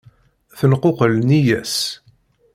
Tenquqel nneyya-s.